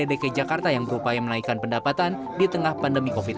dki jakarta yang berupaya menaikkan pendapatan di tengah pandemi covid sembilan belas